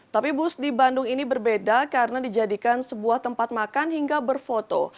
tapi bus di bandung ini berbeda karena dijadikan sebuah tempat makan hingga berfoto